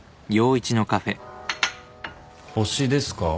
星ですか？